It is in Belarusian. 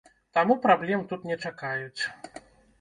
Таму праблем тут не чакаюць.